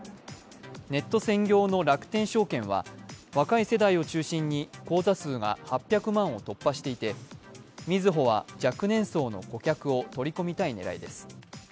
ネット専業の楽天証券は若い世代を中心に口座数が８００万を突破していてみずほは、若年層の顧客を取り込みたい狙いです。